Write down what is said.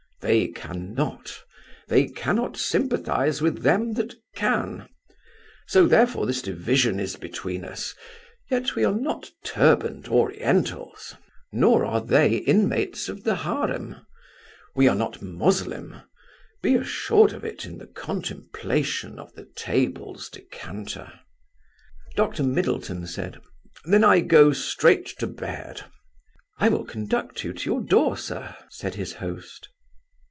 They cannot; they cannot sympathize with them that can. So therefore this division is between us; yet are we not turbaned Orientals, nor are they inmates of the harem. We are not Moslem. Be assured of it in the contemplation of the table's decanter. Dr Middleton said: "Then I go straight to bed." "I will conduct you to your door, sir," said his host.